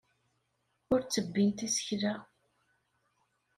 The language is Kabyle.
Ur ttebbint isekla.